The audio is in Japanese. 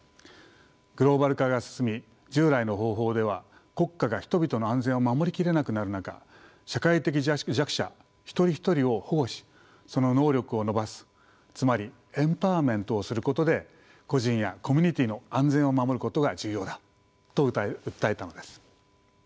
グローバル化が進み従来の方法では国家が人々の安全を守り切れなくなる中社会的弱者一人一人を保護しその能力を伸ばすつまりエンパワーメントをすることで個人やコミュニティーの安全を守ることが重要だと訴えたのです。